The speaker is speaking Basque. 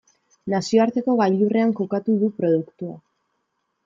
Nazioarteko gailurrean kokatu du produktua.